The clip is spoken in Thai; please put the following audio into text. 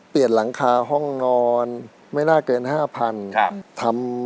เปลี่ยนหลังคาห้องนอนไม่น่าเกิน๕๐๐๐บาท